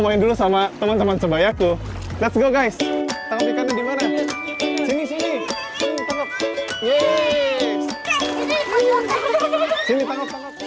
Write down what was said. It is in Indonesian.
main dulu sama teman teman sebayaku let's go guys tapi karena di mana ini sini ini